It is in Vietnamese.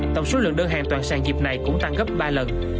tổng số lượng đơn hàng toàn sàn dịp này cũng tăng gấp ba lần